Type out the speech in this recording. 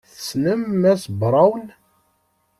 Tessnem Mass Brown?